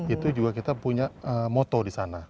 itu juga kita punya moto di sana